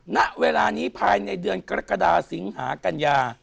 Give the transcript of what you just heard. นั่นเวลานี้ภายในเดือนตักรดาสิงหากัณญา